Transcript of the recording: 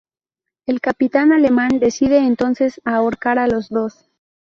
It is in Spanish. El capitán alemán decide entonces ahorcar a los dos.